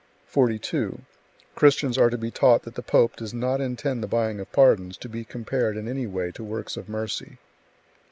42. Christians are to be taught that the pope does not intend the buying of pardons to be compared in any way to works of mercy.